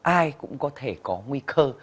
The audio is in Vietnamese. ai cũng có thể có nguy cơ